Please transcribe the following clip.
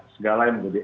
segala yang berdiri